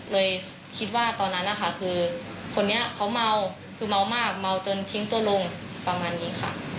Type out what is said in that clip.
เลยคิดว่าตอนนั้นนะคะคือคนนี้เขาเมาคือเมามากเมาจนทิ้งตัวลงประมาณนี้ค่ะ